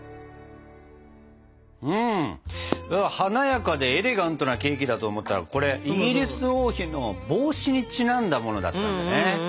華やかでエレガントなケーキだと思ったらこれイギリス王妃の帽子にちなんだものだったんだね。